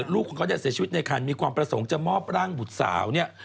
ลูกของเขาเนี่ยเสียชีวิตในคันมีความประสงค์จะมอบร่างบุตรสาวเนี่ย